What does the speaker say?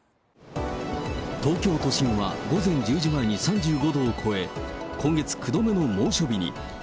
東京都心は午前１０時前に３５度を超え、今月９度目の猛暑日に。